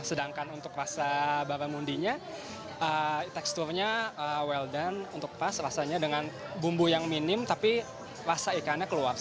sedangkan untuk rasa babamundinya teksturnya well done untuk pas rasanya dengan bumbu yang minim tapi rasa ikannya keluar